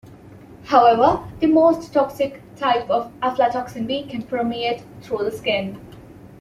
However the most toxic type of aflatoxin, B, can permeate through the skin.